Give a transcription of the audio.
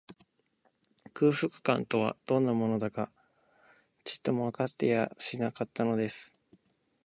空腹感とは、どんなものだか、ちっともわかっていやしなかったのです